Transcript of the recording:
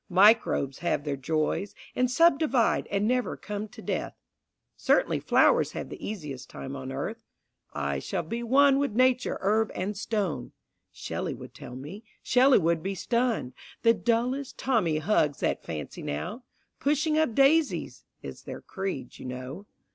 Microbes have their joys, And subdivide, and never come to death, Certainly flowers have the easiest time on earth. "I shall be one with nature, herb, and stone." Shelley would tell me. Shelley would be stunned; The dullest Tommy hugs that fancy now. "Pushing up daisies," is their creed, you know.